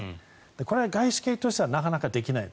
これは外資系としてはなかなかできない。